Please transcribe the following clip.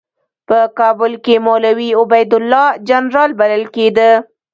په کابل کې مولوي عبیدالله جنرال بلل کېده.